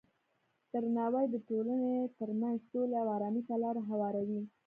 درناوی د ټولنې ترمنځ سولې او ارامۍ ته لاره هواروي.